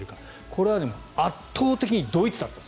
これは圧倒的にドイツだったと。